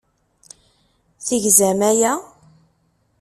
Tegzam aya?